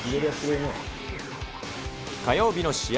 火曜日の試合